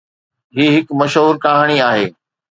هي هڪ مشهور ڪهاڻي آهي.